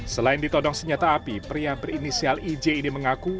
selain ditodong senjata api pria berinisial ij ini mengaku